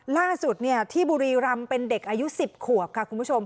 ล่าสุดที่บุรีรำเป็นเด็กอายุ๑๐ขวบค่ะคุณผู้ชม